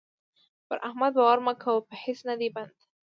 پر احمد باور مه کوه؛ په هيڅ نه دی بند.